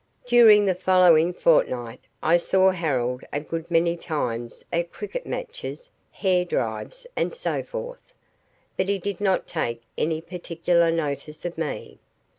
During the following fortnight I saw Harold a good many times at cricket matches, hare drives, and so forth, but he did not take any particular notice of me.